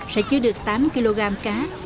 sẽ chứa được tám kg cá